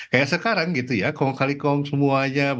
kayak sekarang gitu ya kong kali kong semua aja